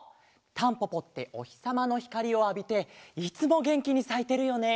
タンポポっておひさまのひかりをあびていつもげんきにさいてるよね。